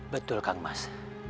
betul kan mas